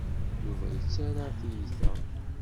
Yuba yettarra tiyita.